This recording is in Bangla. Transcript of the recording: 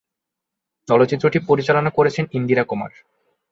চলচ্চিত্রটি পরিচালনা করেছেন ইন্দিরা কুমার।